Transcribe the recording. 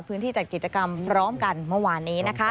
พื้นที่จัดกิจกรรมร้อมกันเมื่อวานนี้นะครับ